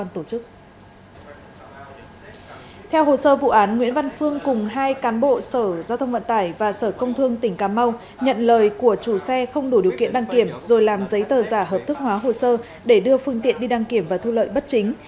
theo hồ sơ vụ án nguyễn văn phương cùng hai cán bộ sở giao thông vận tải và sở công thương tỉnh cà mau nhận lời của chủ xe không đủ điều kiện đăng kiểm rồi làm giấy tờ giả hợp thức hóa hồ sơ để đưa phương tiện đi đăng kiểm và thu lợi bất chính